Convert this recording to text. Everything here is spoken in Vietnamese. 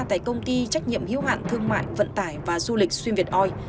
tại công ty trách nhiệm hiếu hạn thương mại vận tải và du lịch xuyên việt oi